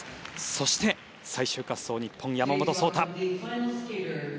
そして、最終滑走日本、山本草太。